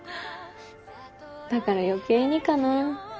だから余計にかな。